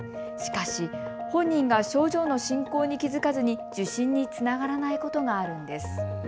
しかし本人が症状の進行に気付かずに受診につながらないことがあるんです。